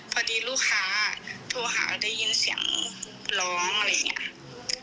พอดีลูกค้าโทรหาเราได้ยินเสียงร้องอะไรอย่างนี้